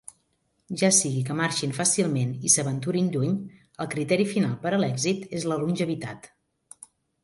Ja sigui que marxin fàcilment i s'aventurin lluny, el criteri final per a l'èxit és la longevitat.